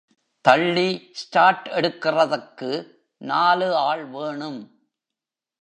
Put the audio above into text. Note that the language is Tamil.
தள்ளி ஸ்டாட் எடுக்கறதுக்கு நாலு ஆள் வேணும்.